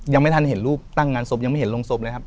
ยังไม่ทันเห็นรูปตั้งงานศพยังไม่เห็นโรงศพเลยครับ